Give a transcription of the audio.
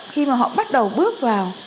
khi mà họ bắt đầu bước vào